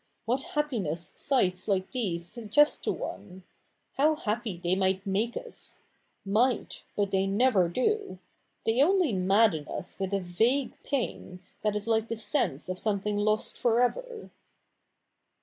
What happiness sights like these suggest to one ! How happy they might make us — might, but they never do ! They only madden us ^^'ith a vague pain, that is like the sense of something lost for ever.'